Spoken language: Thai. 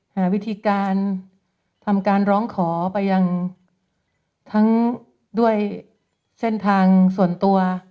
หาวิธีการทำการร้องขอไปยังทั้งด้วยเส้นทางส่วนตัว